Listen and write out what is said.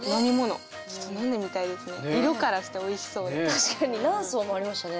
確かに何層もありましたね。